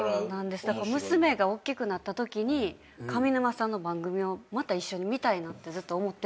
だから娘がおっきくなったときに上沼さんの番組をまた一緒に見たいなってずっと思ってて。